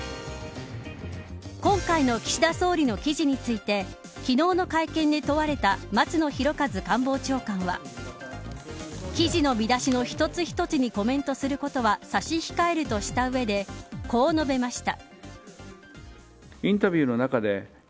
今回の岸田総理の記事について昨日の会見で問われた松野博一官房長官は記事の見出しの一つ一つにコメントすることは差し控えるとした上でこう述べました。